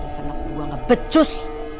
sama kubuang ngebecus